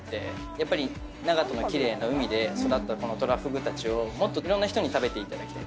やっぱり長門のきれいな海で育ったこのトラフグたちをもっといろんな人に食べていただきたい。